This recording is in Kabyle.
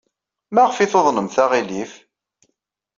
Maɣef ay tuḍnemt aɣilif?